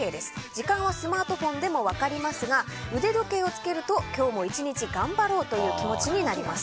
時間はスマートフォンでも分かりますが腕時計をつけると今日も１日、頑張ろうという気持ちになります。